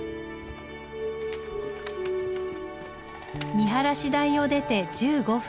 見晴台を出て１５分。